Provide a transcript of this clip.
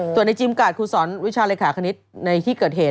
ส่วนในจิมกาดครูสอนวิชาเลขาคณิตในที่เกิดเหตุ